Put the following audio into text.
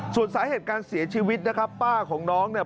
ส่วนสาเหตุการเสียชีวิตนะครับป้าของน้องเนี่ย